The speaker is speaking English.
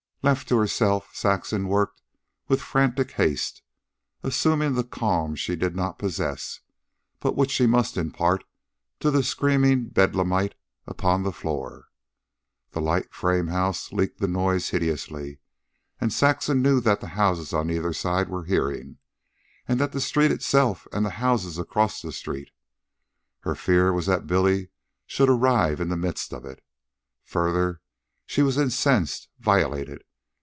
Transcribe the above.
Left to herself, Saxon worked with frantic haste, assuming the calm she did not possess, but which she must impart to the screaming bedlamite upon the floor. The light frame house leaked the noise hideously, and Saxon knew that the houses on either side were hearing, and the street itself and the houses across the street. Her fear was that Billy should arrive in the midst of it. Further, she was incensed, violated.